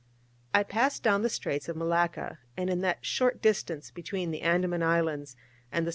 I passed down the Straits of Malacca, and in that short distance between the Andaman Islands, and the S.W.